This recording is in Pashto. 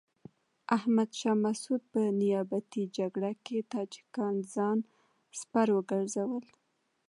احمد شاه مسعود په نیابتي جګړه کې تاجکان ځان سپر وګرځول.